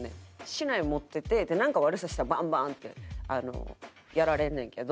竹刀持っててなんか悪さしたらバンバンってやられんねんけど。